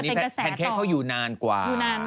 แพนเค้กเขาอยู่นานกว่า